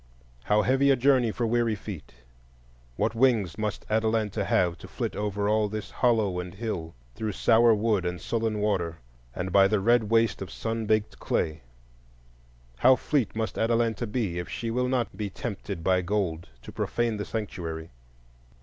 How heavy a journey for weary feet! what wings must Atalanta have to flit over all this hollow and hill, through sour wood and sullen water, and by the red waste of sun baked clay! How fleet must Atalanta be if she will not be tempted by gold to profane the Sanctuary!